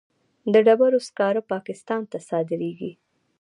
د ډبرو سکاره پاکستان ته صادریږي